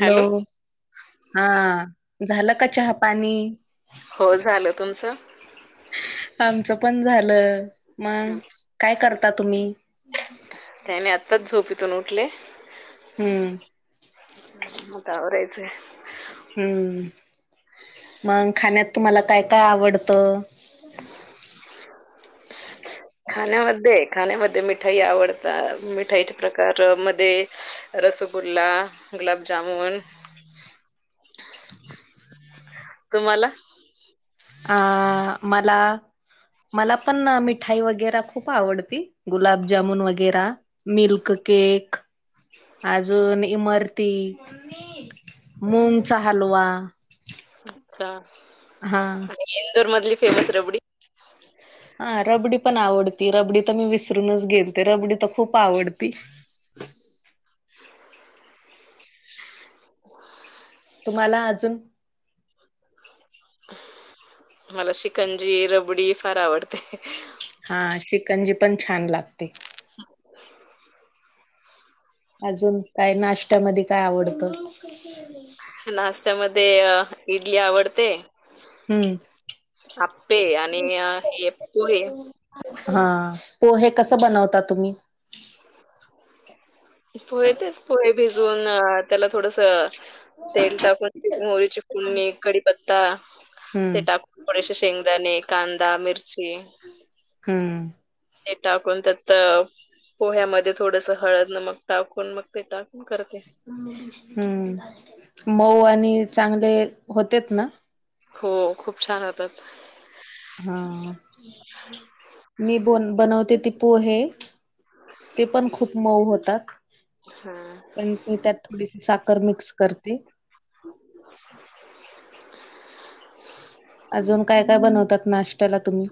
Hello नाई हा झाल का चहा पाणी हो झाल तुमच आमच पण झाल मग काय करता तुम्ही? काय नाय आत्ताच झोपतून उठले हम्म म आवराय स्ट्रेस हम्म मग खाण्यात तुम्हाला काय काय आवडत. खाण्यामध्ये खाण्यामध्ये मिठाई आवडता मिठाईच्या प्रकार मध्ये रसगुल्ला गुलाबजामुन आवाज नाही येत [inaudible] तुम्हाला? अ मला मला पण मिठाई वगैरा खूप आवडती गुलाबजामून वगैरा मिल्क केक अजून इमारती मूंगचा हालवा. अच्छा हा आणि इंदोर मधली फेमस रबडी. हा रबडी पण आवडती रबडी तर मी विसरूनच गेलते रबडी तर खूप आवडती. तूम्हाला अजुन मला शिकंजी रबडी फार आवडते. हा शिकंजी पण छान लागते. अजून काय नाष्ट्यामध्ये काय आवडत? हम् [unintelligible] नाष्टा मध्ये इडली आवडते. हम्म आप्पे आणि पोहे हा पोहे कस बनवता तुम्ही. पोह तेच पोहे भिजून त्याला थोडस तेल टाकून जीरे मोहरीची फुडणी कडीपत्ता ते हम्म टाकून थोडेसे शेंगदाणे, कांदा, मिरची. हम्म ते टाकून त्यात. पोह्यामध्ये थोडस हळद, नमक टाकून मग ते टाकून करते. हम्म मऊ आणि चांगले होतेत ना. हो खूप छान होतात. हा मी बन बनवते ति पोहे ते पण खूप मऊ होतात. हा पण मी त्यात थोडीशी साखर मिक्स करते. [inaudible] अजून काय काय बनवतात नाश्त्याला तुम्ही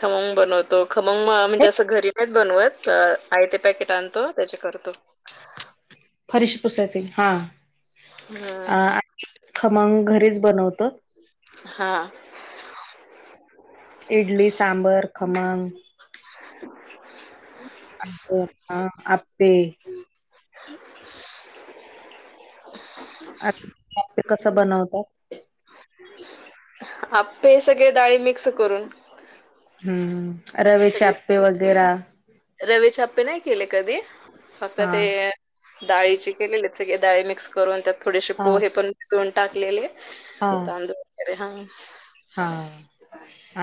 खमंग बनोतो. खमंग म्हणजे असं घरी नाहीत बनवत. आयते पॅकेट आणतो त्याचे करतो. फरीशी पुसायचे हा हं. आ खमंग घरीच बनवतो. हा इडली, सांबर, खमंग. हो अ आपे. आ आपे कस बनवतात. आपे सगळे डाळी मिक्स करून. रव्याचे आप्पे वगैरा. रवी चे आपे नाही केले कधी फक्त हा ते डाळीची केलेली सगळे डाळी मिक्स करून त्यात थोडेसे हा पोहे पण मिसून टाकलेले. हा तांदुळ वैगरे हा. हा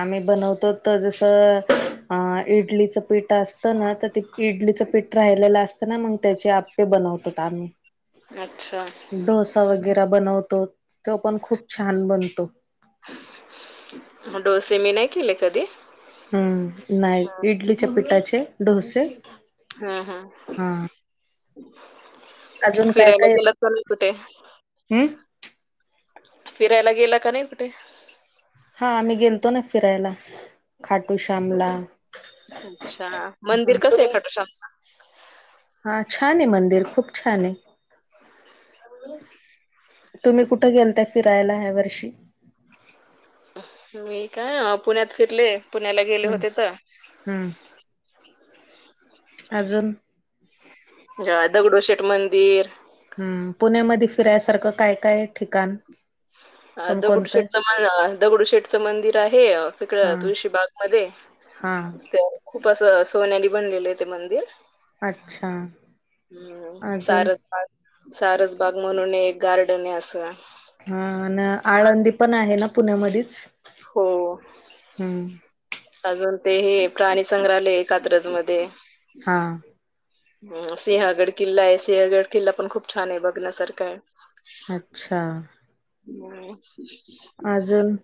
आम्ही बनवतो तर जसं इडलीच पिठ असतं ना तर त इडलीचं पीठ राहिलेलं असतं ना मग त्याचे आपे बनवतोात आम्ही. अच्छा डोसा वगैरे बनवतो. तो पण खूप छान बनतो. डोसे मी नाही. केले कधी हम्म नाही इडलीच्या पिठाचे डोसे हम्म हम हा अजून काय काय फिरायला येतं? गेला तर नाही कुठे हम्म फिरायला गेला का नाही कुठे हा आम्ही गेलतो ना फिरायला खाटू श्यामला अच्छा मंदिर कसं आहे तुम्ही खाटूश्यामच हा छान आहे. मंदिर खूप छान आहे. तुम्ही कुठं गेलत फिरायला ह्या वर्षी मी काय पुण्यात फिरले पुण्याला गेले हम्म होतेच. हम्म अजून जेव्हा दगडोशेठ मंदिर हम्म पुण्यामध्ये फिरायसारखं काय काय ठिकाण. अ कोणकोणतं दगडूशेठच म दगडूशेठचं मंदिर आहे. तिकड हा तुळशीबाग मध्ये हा त्या खूप असं सोन्यानी बनलेले आहे. ते मंदिर अच्छा हम्म अजून सारसबाग सारसबाग म्हणून एक गार्डन आहे असं हा न आळंदी पण आहे ना पुण्यामध्येच हो हम्म अजून ते हे प्राणी संंग्रहालय कात्रज मध्ये. हा. सिंहगड किल्ला आहे सिंहगड किल्ला पण खूप छान आहे बघण्यासारखा आहे‌. अच्छा. हम्. अजून?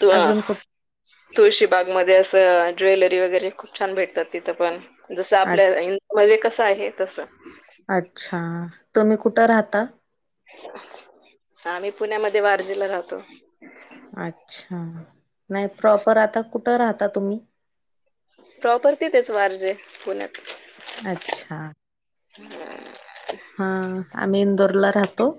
तो अजून कुठ तुळशीबाग मध्ये असं ज्वेलरी वगैरे खूप छान भेटतात तिथं पण. जसं अ आपल्या इडियामध्ये कसं आहे तसं. अच्छा तुम्ही कुठं राहता? आम्ही पुण्यामध्ये वारजे ला राहतो. अच्छा म यात प्रॉपर आता कुठं राहता तुम्ही? प्रॉपर तिथेच वारजे पुण्यात. अच्छा हा आम्ही इंदोरला राहतो.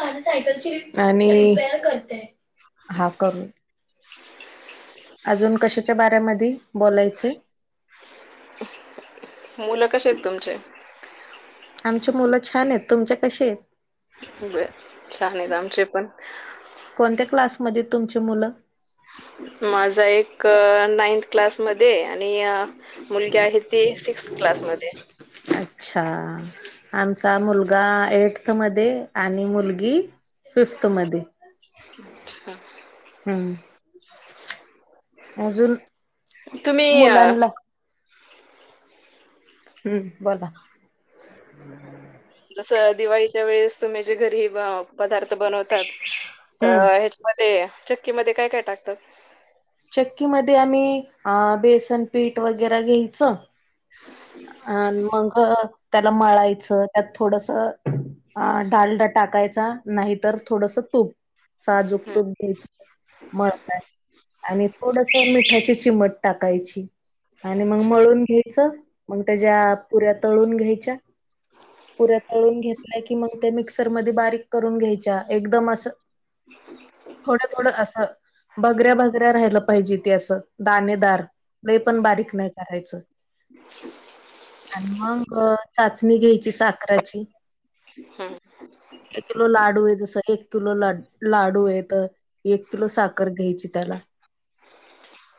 आणि हा कमी अजून कशाच्या बाऱ्यामधी बोलायचये मुलं कशेयेत तुमचे? आमचे मुलं छानेत तुमचे कशेत बय छानयेत आमचे पण. कोणत्या क्लासमध्ये तुमचे मुलं? माझा एक नाइंथ क्लासमध्ये आणि मुलगी आहे ती सिक्स क्लासमध्ये. अच्छा. आमचा मुलगा एट मध्ये आणि मुलगी फिफ्थ मध्ये. अच्छा. हम्म अजून तुम्ही मुलांना हम्म बोला. जसं दिवाळीच्या वेळेस तुम्ही जे घरी पदार्थ बनवतात अ हम्म ह्याच्यामध्ये ते चक्की मध्ये काय काय टाकतात? चक्कीमध्ये आम्ही बेसन पीठ वगैरे घ्यायचं अन मग त्याला मळायचं त्यात थोडस अ डालडा टाकायचा नाहीतर थोडस तूप. साजुक तुप मळतान आणि थोडस मिठाची चिमट. टाकायची आणि मग अच्छा. मळून घ्यायचं मग त्याच्या पुऱ्या तळून घ्यायच्या. पुऱ्या तळून घेतल्या की मग ते मिक्सर मध्ये बारीक करून घ्यायच्या एकदम असं थोडं थोडं असं बगऱ्या बगऱ्या राहिलं पाहिजे ते असं दाणेदार लई पण बारीक नाही करायचं. आणि मग चाचणी घ्यायची साखराची हम्. एक किलो लाडू आहे जसं एक किलो ला लाडू आहे तर मी, एक किलो साखर घ्यायची त्याला.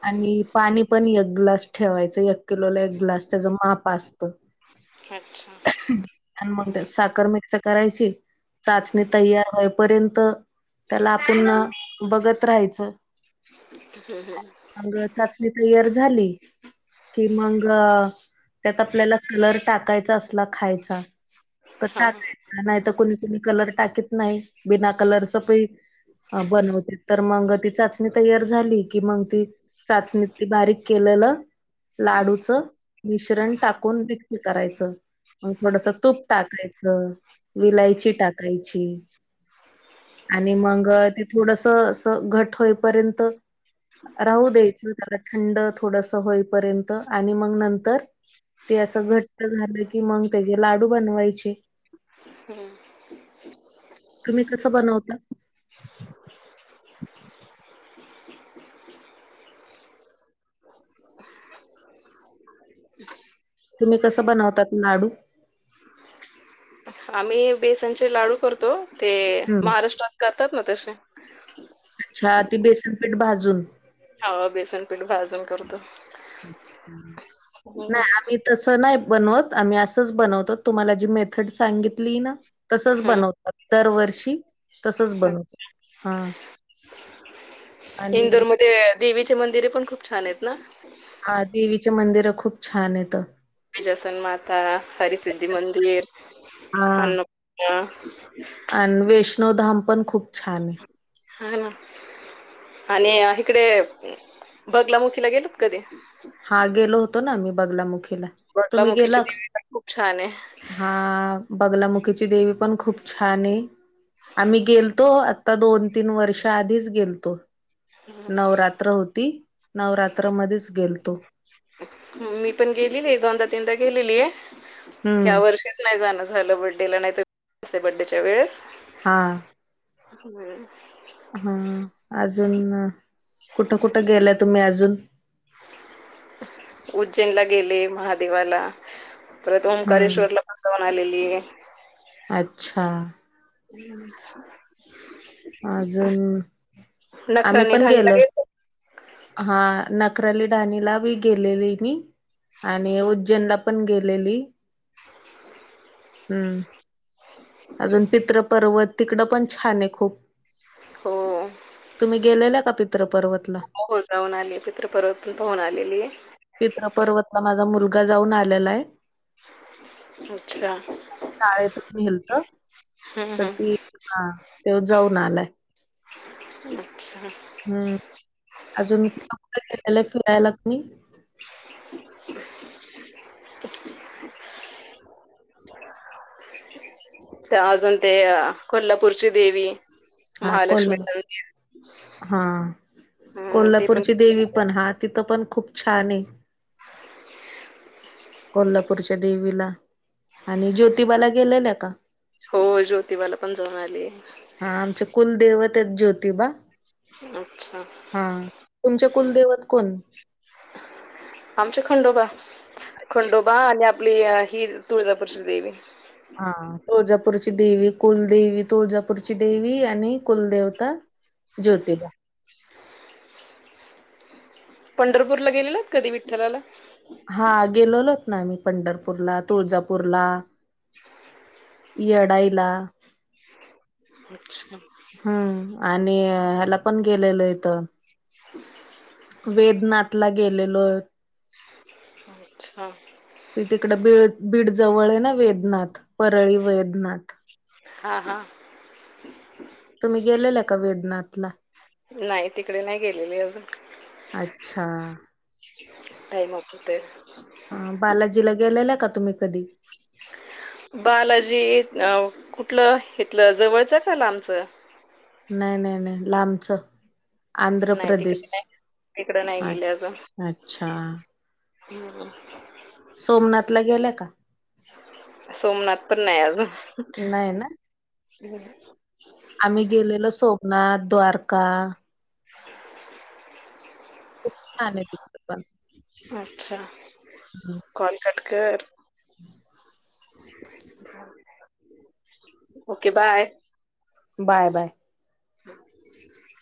आणि पाणी एक ग्लास ठेवायचं एक किलोला ला अस त्याच माप असत. अच्छा. आणि मग ते साखर मिक्स करायची का चाचणी तयार होईपर्यंत त्याला आपण बघत राहायचं. [inaudible] हम् हम् आणि एकाची पियर झाली कि मंग अ त्यात आपल्याला कलर टाकायचा असला खायचा. तर हा. त्यात नाही तर कुणी कोणी कलर टाकीत नाही बिना कलरच पिट, बनवते तर मग ती चाचणी तयार झाली कि मग ती चाचणी बारीक केलेलं.. लाडू च मिश्रण टाकून विक करायचं. मग थोडस तूप टाकायच विलायची टाकायची. आणि मग ते थोडस अस घट होईपर्यंत. राहू द्यायचं त्याला थंड थोडस होईपर्यंत. आणि मग नंतर ते असं घट्ट झालं की मग त्याचे लाडू बनवायचे. हम्म. तुम्ही कसं बनवता. तुम्ही कसं बनवतात लाडू, आम्ही बेसनचे लाडू करतो ते हम् महाराष्ट्रात करतात ना तसे, अच्छा ती बेसनपीठ भाजून. हो बेसनपीठ भाजून करतो? हम् नाही आम्ही तसं नाही बनवत आम्ही असंच बनवतो तुम्हाला जी मेथड सांगितली ना. तसच बनवतात दरवर्षी तसच बनवतात हा [unintelligible] इंदोरमध्ये देवीचे मंदिरे पण खूप छान आहेत ना. हा देवीचे मंदिर खूप छान आहेतेत. बिजासन माता हरसिद्धि मंदिर, हां अन्नपूर्णा, हा आणि वैष्णो धाम पण खूप छानहे. हा ना. आणि इकडे बगलामुखीला गेलत कधी. हा गेलो होतो ना मी बगलामुखे बडलामुखीची देवी पण खूप छान आहे? ह बगलामुखीची देवी पण खूप छान आहे. आम्ही गेलतो आता दोन, तीन वर्ष आधीच गेलतो नवरात ञ होती नवरात्रामध्येच गेल तो. मी पण गेलेली आहे दोनदा तीनदा गेलेली आहे. ह्या हं, वर्षी नाही जाणं झालं बडडेला नाही त बडडेच्या वेळेस हा. हम् हा अजून कुठं कुठं गेला तुम्ही अजून, उज्जैनला गेले महादेवाला. परत हम्म ओंकारेश्वरला पण जाऊन आलेलीये. अच्छा हम्. अजून, आमी पण ढाणीला गेलो. गेलते? हा नखराली राणीला बी गेलेली मी आणि उज्जैनलाप् पण गेलेली. [unintelligible] हम्म. ह अजून पित्रपर्वत तिकडं पण छाने खूप. हो. तुमी गेलेला का पित्रपर्वतला? मोहोळ जाऊन आली, पित्रपर्वत पण पाहून आलेली आहे. पित्र पर्वतला माझा मुलगा जाऊन आलेलाय. अच्छा, शाळेतून नेलत हं हं तर हं. ती हा त्यो जाऊन आलाय. अच्छा. हम्म, अजून कुठं कुठं गेलेलं फिरायला तुमी? [inaudible] [inaudible] त अजून ते कोल्हापूरची देवी, हा महालक्ष्मी कोल्हा मंदिर. हा हम्म ते पण कोल्हापूरची देवी पण हा तिथं पण खूप छाने. कोल्हापूरच्या देवीला आणि ज्योतिबाला गेलेल्या का? ज्योतिवाला पण जाऊन आलीय. हा आमचे कुलदेवतेत ज्योतिबा. अच्छा हा तुमचे कुलदैवत कोण? आमचे खंडोबा, खंडोबा आणि आप् -पली ही तुळजापूरची देेवी. हा तुळजापूरची देवी कुलदेवी तुळजापूरची देवी आणि कुलदेवता ज्योतिबा. पंढरपूरला गेलेलात कधी विठ्ठलाला? हा गेलोलोत आमी पंढरपूरला, तुळजापूरला. येडाईला. [inaudible] [inaudible] आणि ह्याला पण गेलेलंयतं वेदनाथ. ला गेलेलो. अच्छा. ते तिकडं बीड बीड जवळे ना वेदनाथ, परळी वेदनाथ. हा हा. तुम्ही गेलेल्या का वेदनाथला. नाय तिकडे नाय गेलेली अजून. अच्छा. टाईम कुठे. हा बालाजीला गेलेल्या का तुमी कधी? बालाजी अ कुठलं हितलं जवळचं का लामचं? नई नई नई लांबचं. नाही तिकडं नाही तिकडं नाही अ गेले अजून अच्छा. हम्म सोमनाथ ला गेला, का सोमनाथ तर नाही, अजून नाही ना. आम्ही गेलेलो सोमनाथ द्वारका खूप छान आहे तिथं पण अच्छा कॉल कट कर. हम् ओके बाय बाय, बाय [unintelligible]